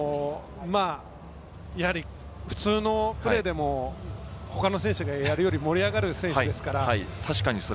やはり普通のプレーでもほかの選手がやるより盛り上がる選手ですから。